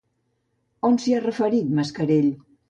On s'hi ha referit Mascarell?